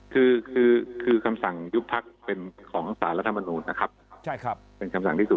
คือคือคำสั่งยุบพักเป็นของสารรัฐมนูลนะครับเป็นคำสั่งที่สุด